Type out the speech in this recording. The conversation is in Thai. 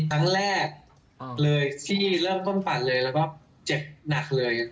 ครั้งแรกเลยที่เริ่มต้นปั่นเลยแล้วก็เจ็บหนักเลย